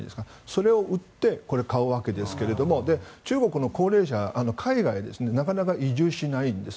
それを売ってこれを買うわけですが中国の高齢者、海外へなかなか移住しないんです。